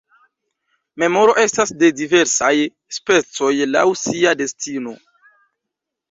Memoro estas de diversaj specoj laŭ sia destino.